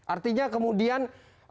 artinya kemudian memang kita harus